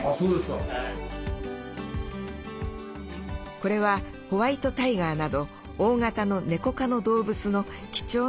これはホワイトタイガーなど大型のネコ科の動物の貴重なエサとなります。